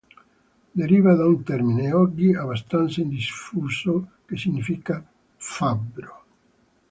Deriva da un termine, oggi abbastanza in disuso, che significa "fabbro".